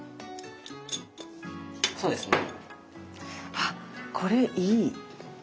あこれいい。